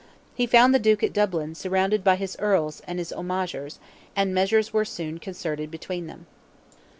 He found the Duke at Dublin "surrounded by his Earls and homagers," and measures were soon concerted between them.